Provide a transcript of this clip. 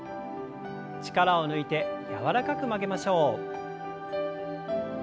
力を抜いて柔らかく曲げましょう。